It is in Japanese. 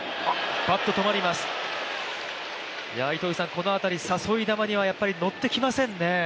この辺り、誘い球にはノってきませんね。